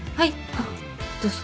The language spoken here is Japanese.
あっどうぞ。